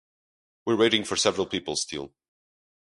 We're waiting for several people still.